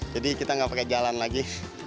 jadi kita tidak pakai jalan lagi